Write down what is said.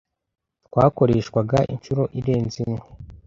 Twakoreshwaga inshuro irenze imwe